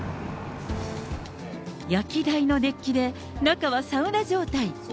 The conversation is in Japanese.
焼き台の熱気で、中はサウナ状態。